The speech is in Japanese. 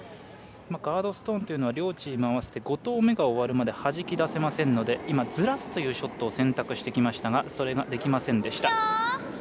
ガードストーンというのは両チーム終わって５投目が終わるまで動かせませんので今、ずらすというショットを選択してきましたがそれができませんでした。